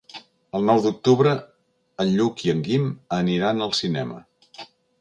El nou d'octubre en Lluc i en Guim aniran al cinema.